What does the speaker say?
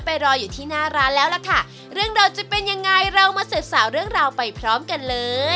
พี่หญิงเราร้านคาเฟ่ลาเมซนะครับ